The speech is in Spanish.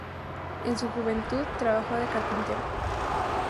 En su juventud trabajó de carpintero.